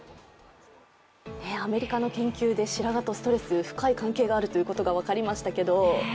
アメリカの研究で白髪とストレス、深い関係があると分かりましたけど。